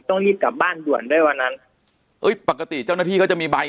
ต้องรีบกลับบ้านด่วนได้วันนั้นเอ้ยปกติเจ้าหน้าที่เขาจะมีใบ